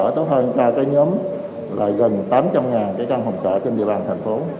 hỗ trợ tốt hơn cho cái nhóm là gần tám trăm linh ngàn cái căn phòng trọ trên địa bàn thành phố